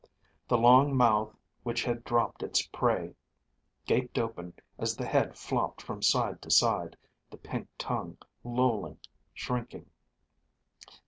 The long mouth, which had dropped its prey, gaped open as the head flopped from side to side, the pink tongue lolling, shrinking.